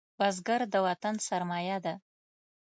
بزګر د وطن سرمايه ده